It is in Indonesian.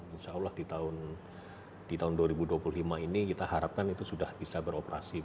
insya allah di tahun dua ribu dua puluh lima ini kita harapkan itu sudah bisa beroperasi